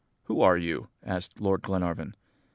"'Who are you?' asked Lord Glenarvan.